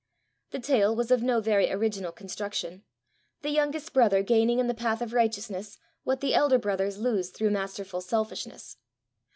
The tale was of no very original construction the youngest brother gaining in the path of righteousness what the elder brothers lose through masterful selfishness.